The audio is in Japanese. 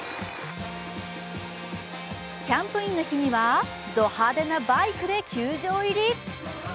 キャンプインの日には、ド派手なバイクで球場入り。